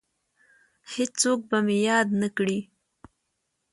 هیڅوک به مې یاد نه کړي